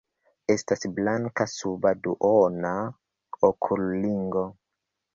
Estas blanka suba duona okulringo.